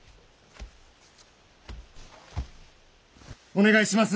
お願いします。